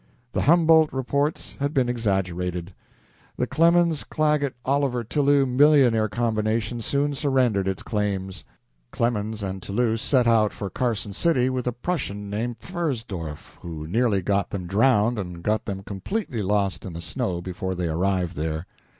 The Humboldt reports had been exaggerated. The Clemens Clagget Oliver Tillou millionaire combination soon surrendered its claims. Clemens and Tillou set out for Carson City with a Prussian named Pfersdorff, who nearly got them drowned and got them completely lost in the snow before they arrived there.